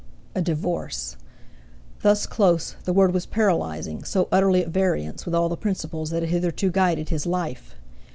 A divorce! Thus close, the word was paralyzing, so utterly at variance with all the principles that had hitherto guided his life.